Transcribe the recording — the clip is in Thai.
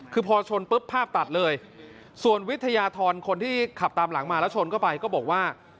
คือพอชนปุ๊บภาพตัดเลยส่วนวิทยาธรคนที่ขับตามหลังมาแล้วชนเข้าไปก็บอกว่า